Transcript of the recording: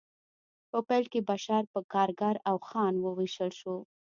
په پیل کې بشر په کارګر او خان وویشل شو